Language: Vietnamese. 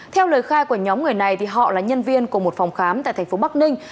theo lời khai của nhóm người này họ là nhân viên của một phòng khám tại thành phố bắc ninh